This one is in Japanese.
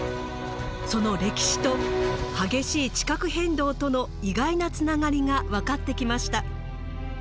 その歴史と激しい地殻変動との意外なつながりが分かってきました。